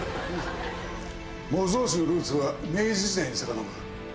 模造紙のルーツは明治時代に遡る。